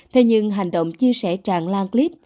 thế nhưng hành động chia sẻ tràn lan clip